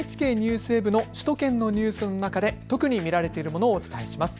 ＮＨＫＮＥＷＳＷＥＢの首都圏のニュースの中で特に見られているものをお伝えします。